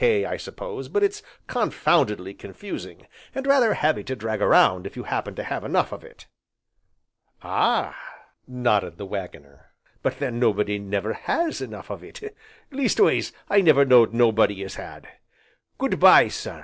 K., I suppose, but it's confoundedly confusing, and rather heavy to drag around if you happen to have enough of it " "Ah!" nodded the Waggoner, "but then nobody never has enough of it, leastways, I never knowed nobody as had. Good bye, sir!